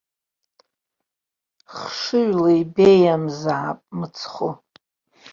Хшыҩла ибеиамзаап мыцхәы!